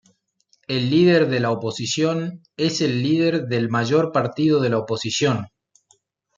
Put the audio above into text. El líder de la oposición es el líder del mayor partido de la oposición.